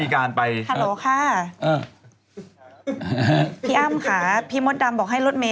อะการรมตลอดตาม